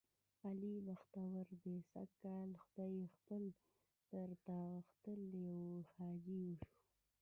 علي بختور دی سږ کال خدای خپل درته غوښتلی و. حاجي شو،